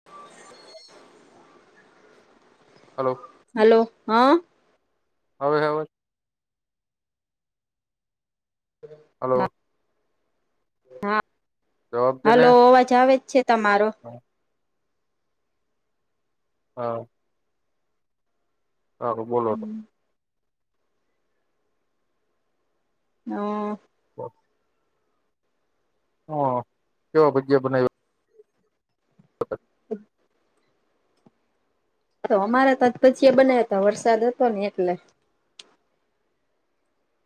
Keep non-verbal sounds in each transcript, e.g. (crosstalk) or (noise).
(inaudible) Hello hello હા આવે અવાજ? (inaudible) હલો હા હલો અવાજ આવે જ છે તમારો. હા હા હારું બોલો તો અ (inaudible) હ કેવા ભજીયા બનાવ્યા? (inaudible) તો અમારે તો આજ ભજીયા બનાયા તા વરસાદ હતો ને એટલે.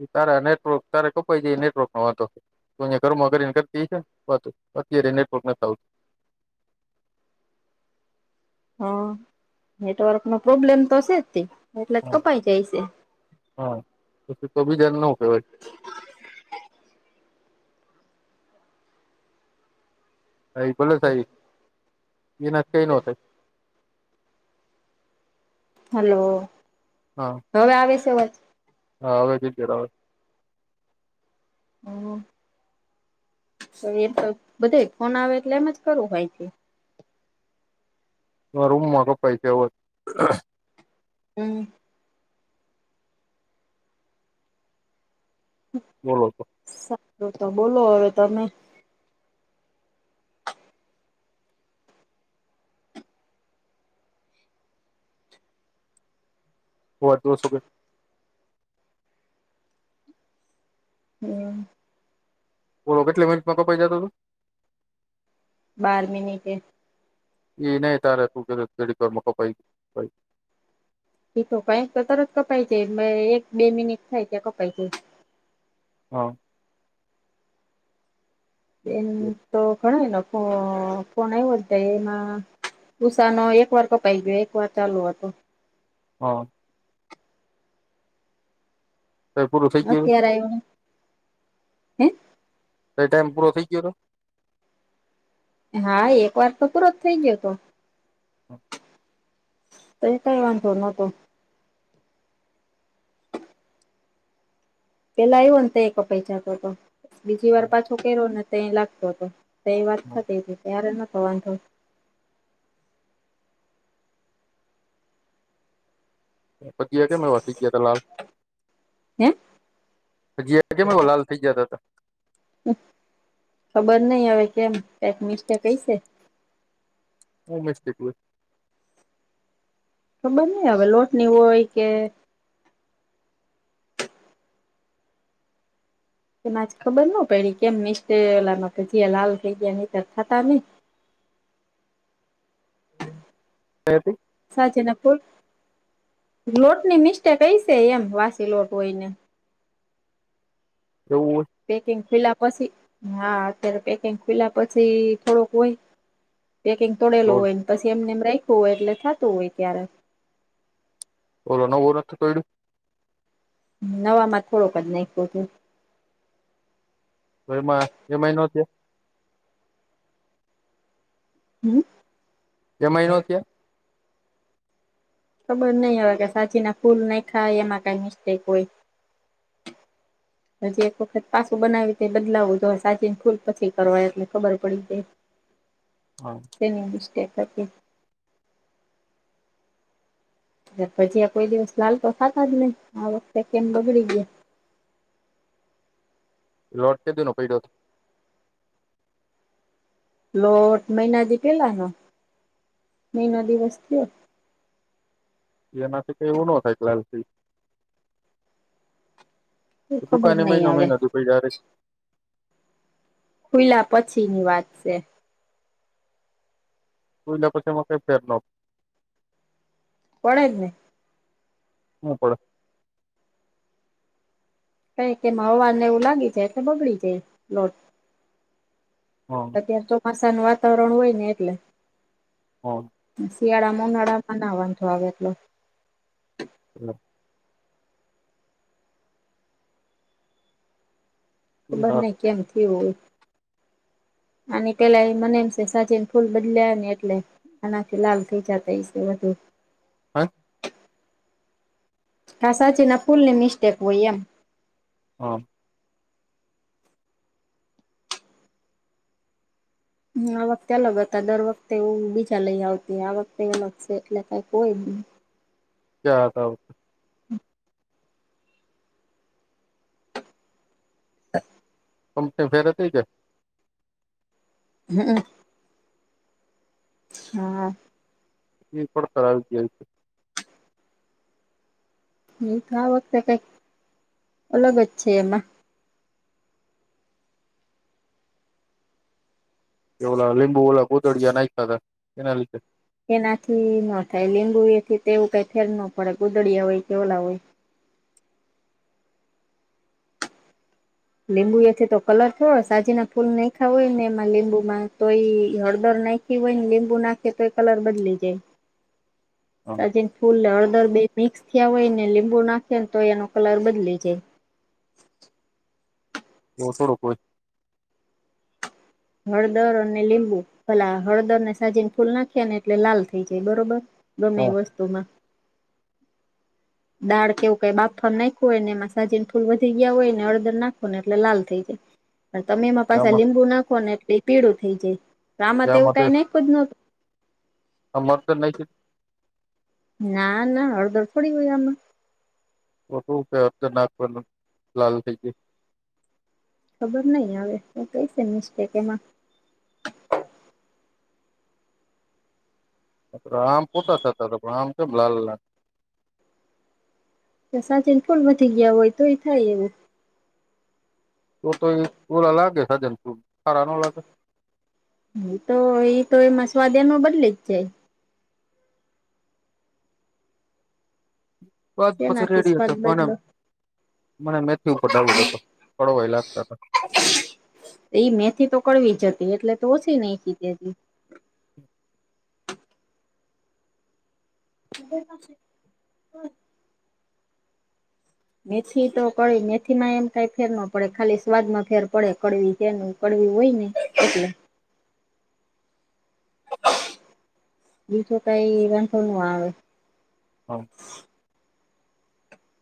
ઈ તારા નેટવર્ક તારે કપાઈ જાય ઈ નેટવર્કનો વાંધો. તો અહીંયા ઘરમાં ઘરીને કરતી હશે ને વાતો અત્યારે નેટવર્ક નથ આવતું. હા નેટવર્કનો પ્રોબ્લેમ તો શેજ તે એટલે તો આવતું કપાઈ જાય છે. હા તો બીજાને નો કહેવાય. (inaudible) હા ઈ ભલે થાય. એનાથી કાંઈ નો થાય. હલો હા હવે આવે છે અવાજ? હા હવે કિલયર આવે. હમ સુઈએ તો બધેય ફોન આવે એટલે એમ જ કરવું હોય કે તમારા રૂમમાં કપાય છે અવાજ. હમ હમ બોલો તો સારું તો બોલો હવે તમે. અવાજ તો ઓછો કર. હમ. ઓલો કેટલી મિનીટમાં કપાઈ જાતો તો? બાર મીનીટે. એ નહી તારે તું કેતી ઘડીક વારમાં કપાઈ ગયું એ તો કઈક તો તરત કપાય જાય એક બે મિનિટ થાય ત્યાં કપાય જાય. હા એમ તો ઘણાએ નો ફો ફોન આવ્યો ને તે એમાં ઉસાનો એક વાર કપાઈ ગયો, એક વાર ચાલુ હતો. હા તે પૂરું થઈ ગયું હે. કરાયવુ તો એ ટાઈમ પૂરો થઈ ગયો તો? હા એક વાર તો પૂરો જ થઈ ગયો હતો. હ. તો ઈ કઈ વાંધો નતો. પેલા આવ્યો ને તે કપાઈ તો હતો બીજી વાર પાછો કર્યો ને તે લાગતો હતો. તે ઈ વાત થતી હતી ત્યારે નતો વાંધો. અત્યારે કેમ વધી ગયાં તા લાલ હેં? હ જી એ કેમ લાલ થઈ જતા હતા. ખબર નઈ હવે કેમ ટેકનિષ્ટ કેય છે. હ મસ્ત એટલું. ખબર ની હવે લોટની હોય કે એમાંજ ખબર નો પયડી કેમ મસ્ટલા કે જે લાલ થઈ ગયા નઈ તર થતા નહી. કયાથી? સાચી ને ફૂલ લોટની મિસ્ટેક આઈ છે એમ વાસી લોટ હોયને. એવું હોય? પેકિંગ ખૂલ્યાં પછી હા અત્યારે પેકિંગ ખૂલ્યાં પછી થોડોક હોય. પેકિંગ તોડેલું હોય ને પછી એમને એમ રાયખું હોય એટલે થતું હોય ક્યારેક. ઓલો તો ઓળખ એ પયડો. નવા માં થોડોક જ નાયખો તો. તો એમાં એમા ય નો થયો? હમ્મ? એમાંય નો થ્યો? ખબર નહી હવે કે સાચીના ફૂલ નાયખાં હોય એમાં કઈ મિસ્ટેક હોય. (inaudible) હજી એક વખત પાછું બનાવી તે બદલાવું જો સાચી ને ફૂલ પછી કરવાય એટલે ખબર પડી જાય. હા. તેની મિસ્ટેક હતી. ને પછી આ કોઈ દિવસ લાલપ ખાતા જ નહી આ વખતે કેમ બગડી ગયા. લોટ કે દિ નો પૈડો હોત. લોટ મહિનાથી પેલાનો મહિનો દિવસ થયો. એનાથી કઈ એવું નો થાય કલાક થી. એ ખબર દુકાનએ નઈ મહિનો હવે મહિના દૂ પૈડા રહે. ખુલ્લા પછીની વાત છે. તુંઈ લોકો સેમા કે ફેરનો. પડે જ ને. હું પડે? કઈક એમાં હવાને એવું લાગી જાય એટલે બગડી જાય લોટ. હા. અત્યારે ચોમાસા નું વાતાવરણ હોય ને એટલે. હા. શિયાળામાં અને ઉનાળામાં ના વાંધો આવે એટલે. ને હા. ખબર નઈ હા કેમ થયું હોય. આની પેલાય મને એમ છે સાચીન ફૂલ બદલ્યા ને એટલે. આનાથી લાલ થઈ જતા હશે વધુ. (inaudible) ક સાચીના ફૂલની મિસ્ટેક હોય એમ. હા. હા આ વખતે અલગ હતા દર વખતે એવું બીજા લઈ આવતી આ વખતે અલગ છે એટલે કઈંક હોય. (unintelligible) (inaudible) કંપની ફેર હતી કે? હા. હા. એ પડતર આવી ગયા હશે. નહીંતો આ વખતે કંઈક અલગ જ છે એમાં. કે ઓલા લીંબુવાલા ગોદડિયા નાખ્યાતા એના લીધે. એનાથી ન થાય. લીંબુએથી તે એવું કઈ ફેર ન પડે ગોદડિયા હોય ઓલા હોય. લીંબુ એથી તો કલર થોડો સાજી ના ફૂલ નાખ્યા હોય એમાં લીંબુમાં તોય હળદર નાંખ હોયને લીંબુ નાખે તોય કલર બદલી જાય. (inaudible) સાચીન ફૂલ હળદર બે મિક્સ થયા હોય ને લીંબુ નાખે ને તોય એનો કલર બદલી જાય. એવું થોડું હોય. હળદર અને લીંબુ ભલા હળદર ને સાજીને ફૂલ નાખી ને એટલે લાલ થઈ જાય બરોબર. હ ગમે એ વસ્તુમાં. દાળ કેવું કઈ બાફા નાખવુ હોય ને એમાં સાજીને ફૂલ વધી ગયા હોય ને હળદર નાખો ને એટલે લાલ થઈ જાય (inaudible) પણ તમે એમાં પાછા ત્યામાં લીંબુ નાખો. ને એટલે એ પીળું થઈ જાય તો આમાં તો ત્યાં એવું કઈ નાંખ્યુ જ નથી. હમારે તેલ નાખી છે (unintelligible) ના. ના હળદર થોડી હોય આમાં. (unintelligible) ખબર નહી હવે કઈ છે મિસ્ટેક એમાં. આપણે આમ (unintelligible) આમ કે લાલ લાલ. તો સાજીના ફૂલ વધી ગયા હોય તો ય થાય એવું. (unintelligible) એ તો, એ તો એમાં સ્વાદ એનો બદલી જાય. બસ (unintelligible) તેનાથી રેડિ હતો સ્વાદ પણ. બદલો મને મેથી ઉપર ડાઉટ હતો. કડવો ય લાગતો તો. ઈ મેથી તો કડવી જ હતી. એટલે તો ઓછી નાખી હતી હજી. (inaudible) મેથી તો કડવી મેથી માં એમ કઈ ફેર ના પડે. ખાલી સ્વાદ માં ફેર પડે કડવી છેનું. કડવી હોય એટલે. બીજો કાંઈ વાંધો ન આવે. હા!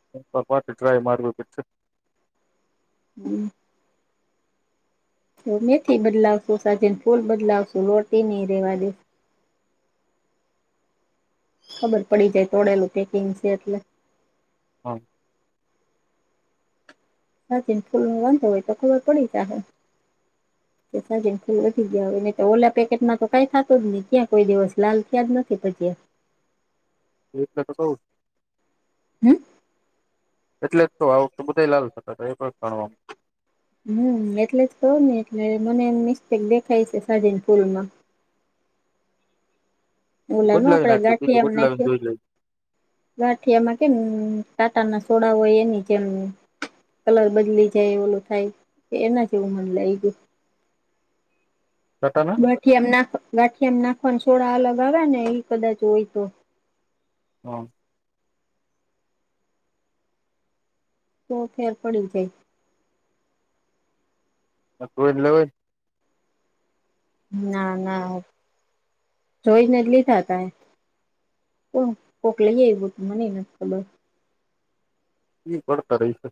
(unintelligible) (inaudible) તો મેથી બદલાવશું રાજીના ફૂલ બદલાવશું રોટી નહી રેવા દે. ખબર પડી જાય. તોડેલું પેકિંગ છે એટલે. હા હા કે ફૂલ ન વાંધો હોય તો ખબર પડી જાય. (inaudible) સાજન ફૂલ વધી ગયા હોયને તો ઓલા પેકેટમાં તો કઈ થતો જ નહી. ત્યાં કોઈ દિવસ લાલ થયા જ નથી પટ્યા. (unintelligible) હમ્મ. એટલે જ તો આ વખતે બધા લાલ થતા થા (unintelligible) હમ્મ એટલે જ કહું ને એટલે મને એમ મિસ્ટેક દેખાય છે સાડીને ફૂલ માં. ઓલા ન બદલાવી આપડે નાખજો બીજું ગઠિયા આમ બદલાવીને નાખીયે. જોઈ લઈ ગાંઠિયામાં કેમ કાંટાના સોડા હોય એની જેમ. કલર બદલી જાય ઓલો થાય, એના થી એવું મને લાગ્યું. ટાટા ના. ગાઠિયામ નાખ, ગાઠિયામાં નાખવા છોડા અલગ આવે ને ઈ કદાચ હોય તો. હા. તો ફેર પડી જાય. (unintelligible) ના ના, જોઈને જ લીધા તા. તો કોક લઈ આવું તું, મનેય નથ ખબર. ઇ પડતા રે છે.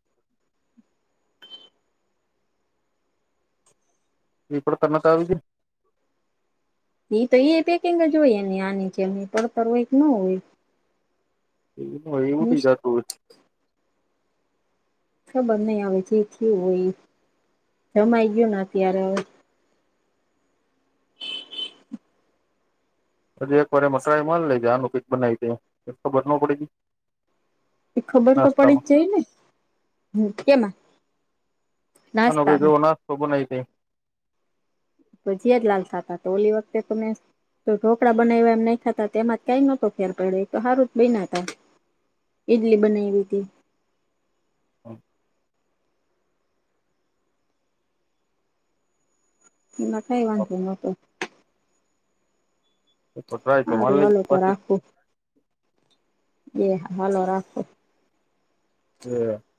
એ પડતા નથ આવી કે એ તો એ પેકિંગ જ હોયને આની કેમ પડતર હોઈ ન હોય. એ એવું બી નિશ જતું હો. ખબર નઈ હવે જે થિયુ હોય એ, કમાઈ ગયોને અત્યારે. હજી એક વારે મસાલાઈ મારી લેજ, આનું ક બનાવી જ એક તો બનવો પડી જ. એ ખબર તો પડી જ જાય ને, હ કેમાં. નાસ્તામાં (unintelligible) ભજીયા જ લાલ ખાતાતા, તો ઓલી વખતે તો મેં. તો ઢોકળા બનાવવા નહી એમાં જ કઈ નોતો ફેર પડે તો હારું જ બ નાતા. ઇડલી બનાઈવી હતી. (inaudible) એમાં કઈ વાંધો નતો. સારું હાલો તો (inaudible) રાખું એ હાલો રાખો. (unintelligible)